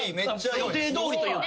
予定どおりというか。